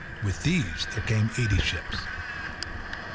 With these there came eighty ships.